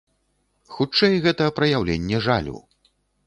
Хутчэй, гэта праяўленне жалю.